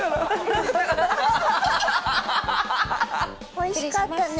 おいしかったね。